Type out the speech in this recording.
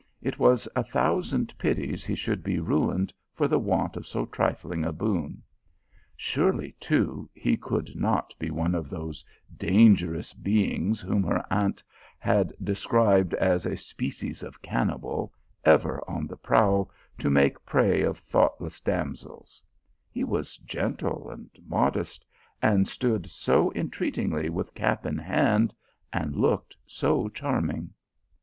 It was a thousand pities nt should be ruined for the want of so trifling a boon. Surely, too, he could not be one of those dangerous beings whom her aunt had described as a species of cannibal, ever on the prowl to make prey of thought less damsels ; he was gentle and modest, and stood so entreatingly with cap in hand, and looked so charming.